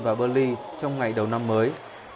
và burnley trong ngày đầu năm mới